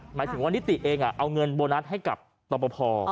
หมายถึงว่านิติเองเอาเงินโบนัสให้กับตปภ